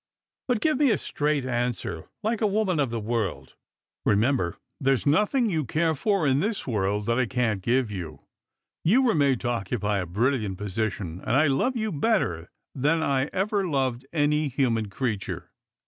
But give me a straight answer, like a woman of the world. Remember, there's nothing you care for in this world that I can't give you ; you were made to occupy a brilliant position, and I love you better than I ever loved any human creature."